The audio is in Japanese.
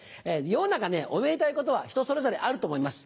世の中おめでたいことは人それぞれあると思います。